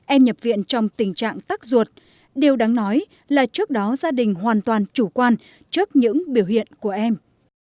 em nhập viện trong tình trạng tắc ruột điều đáng nói là trước đó gia đình hoàn toàn chủ quan trước những biểu hiện của em